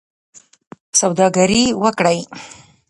سوداګري وکړئ